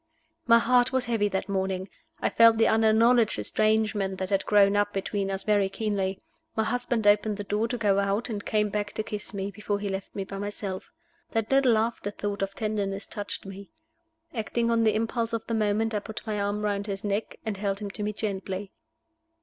My heart was heavy that morning: I felt the unacknowledged estrangement that had grown up between us very keenly. My husband opened the door to go out, and came back to kiss me before he left me by myself. That little after thought of tenderness touched me. Acting on the impulse of the moment, I put my arm round his neck, and held him to me gently.